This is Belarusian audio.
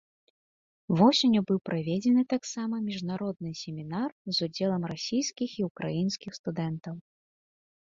Восенню быў праведзены таксама міжнародны семінар з удзелам расійскіх і ўкраінскіх студэнтаў.